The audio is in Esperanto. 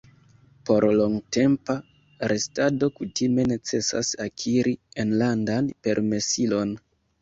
Por longtempa restado kutime necesas akiri enlandan permesilon.